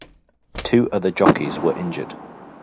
Two other jockeys were injured.